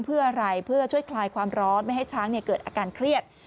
เพื่ออะไรเพื่อช่วยคลายความร้อนไม่ให้ช้างเกิดอาการเครียด